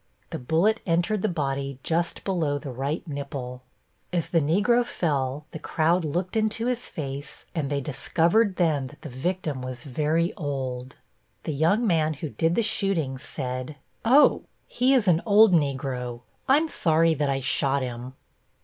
The bullet entered the body just below the right nipple. As the Negro fell the crowd looked into his face and they discovered then that the victim was very old. The young man who did the shooting said: "Oh, he is an old Negro. I'm sorry that I shot him."